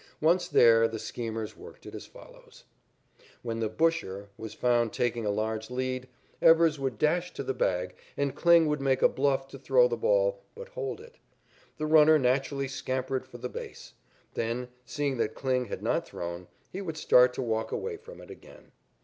Once there the schemers worked it as follows: When the "busher" was found taking a large lead, Evers would dash to the bag and Kling would make a bluff to throw the ball, but hold it. The runner naturally scampered for the base. Then, seeing that Kling had not thrown, he would start to walk away from it again.